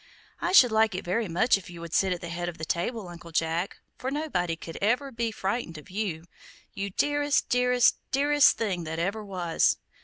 I should like it very much if you would sit at the head of the table, Uncle Jack, for nobody could ever be frightened of you, you dearest, dearest, dearest thing that ever was!